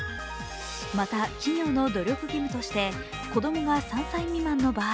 また、企業の努力義務として、子供が３歳未満の場合、